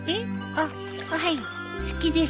あっはい好きです。